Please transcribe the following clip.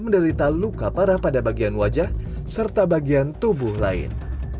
menderita luka parah pada bagian wajah serta bagian tubuh lain